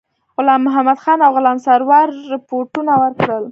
غلام محمدخان او غلام سرور رپوټونه ورکړل.